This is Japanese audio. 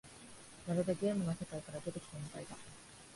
まるでゲームの世界から出てきたみたいだ